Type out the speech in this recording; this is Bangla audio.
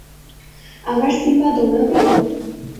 আমার সিম্বা দৌড়াবেও!